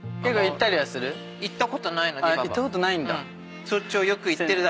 行ったことないんだ。